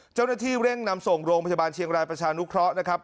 เจ้าหน้าที่เร่งนำส่งโรงพยาบาลเชียงรายประชานุเคราะห์นะครับ